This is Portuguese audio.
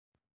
expressa